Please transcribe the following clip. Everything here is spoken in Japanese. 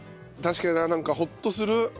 確かにななんかホッとする。